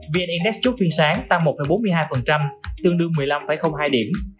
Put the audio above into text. vn index chốt phiên sáng tăng một bốn mươi hai tương đương một mươi năm hai điểm